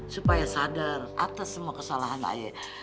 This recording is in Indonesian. supaya sadar atas semua kesalahan ayah